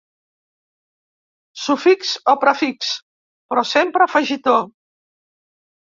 Sufix o prefix, però sempre afegitó.